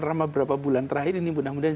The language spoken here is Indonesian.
dalam beberapa bulan terakhir ini mudah mudahan